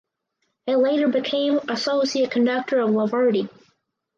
He later became associate conductor of La Verdi.